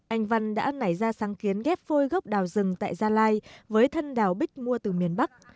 anh văn đã nảy ra sáng kiến ghép phôi gốc đào rừng tại gia lai với thân đào bích mua từ miền bắc